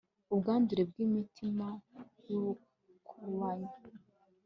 ubwandure bw'imitima n'ubukubanyi